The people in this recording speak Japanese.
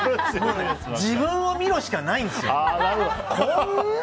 自分を見ろしかないんですよ。